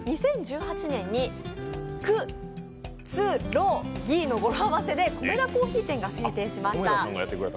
２０１８年に「９２６ぎ」の語呂合わせでコメダ珈琲店が制定しました。